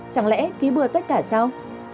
chẳng lẽ ký bừa tất cả sao